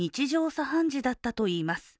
茶飯事だったといいます。